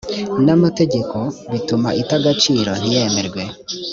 n’amategeko bituma ita agaciro ntiyemerwe